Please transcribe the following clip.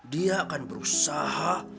dia akan berusaha